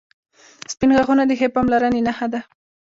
• سپین غاښونه د ښې پاملرنې نښه ده.